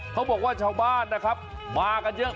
เธอบอกว่าชาวบ้านมาก็เยอะ